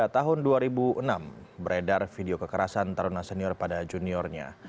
tahun dua ribu enam beredar video kekerasan taruna senior pada juniornya